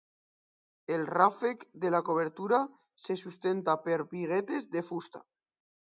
El ràfec de la coberta se sustenta per biguetes de fusta.